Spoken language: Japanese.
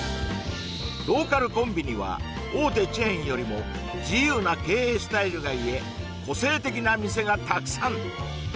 ローカルコンビニは大手チェーンよりも自由な経営スタイルがゆえ個性的な店がたくさん！